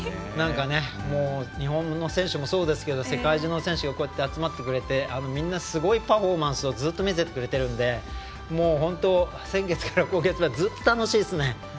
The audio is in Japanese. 日本の選手もそうですけど世界中の選手が集まってくれてみんなすごいパフォーマンスをずっと見せてくれてるので先月から今月はずっと楽しいですね。